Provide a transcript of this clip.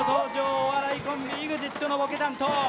お笑いコンビ、ＥＸＩＴのボケ担当。